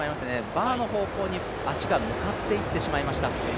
バーの方向に足が向かっていってしまいました。